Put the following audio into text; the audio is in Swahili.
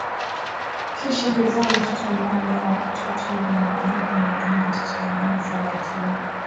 kisha huzaa mtoto mmoja tu Twiga ni baadhi ya wanyama wachache wanao zaa wakiwa